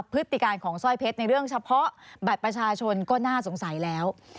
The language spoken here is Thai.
พฤติการของสร้อยเพชรในเรื่องเฉพาะบัตรประชาชนก็น่าสงสัยแล้ว